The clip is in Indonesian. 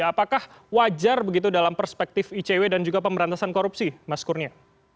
apakah wajar begitu dalam perspektif icw dan juga pemberantasan korupsi mas kurnia